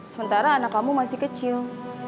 sementara anak kamu masih kecil